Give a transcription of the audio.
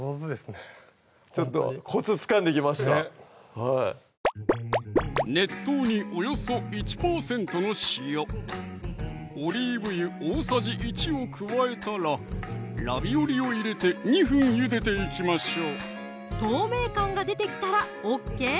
ねっ熱湯におよそ１％の塩・オリーブ油大さじ１を加えたらラビオリを入れて２分ゆでていきましょう透明感が出てきたらＯＫ